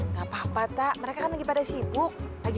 nggak papa tak mereka kan lagi pada sibuk